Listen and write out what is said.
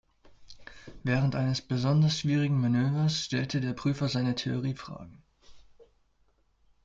Während eines besonders schwierigen Manövers stellte der Prüfer seine Theorie-Fragen.